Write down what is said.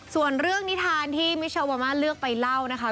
ส่วนเรื่องนิทานที่มิชาวามาเลือกไปเล่านะคะ